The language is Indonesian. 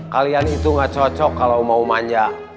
kalian itu gak cocok kalau mau manja